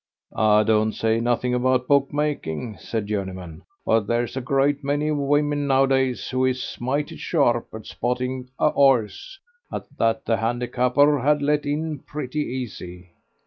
"I don't say nothing about bookmaking," said Journeyman; "but there's a great many women nowadays who is mighty sharp at spotting a 'orse that the handicapper had let in pretty easy."